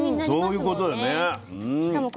そういうことよね。